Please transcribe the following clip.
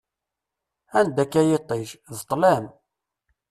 Anda-k a yiṭij, d ṭṭlam!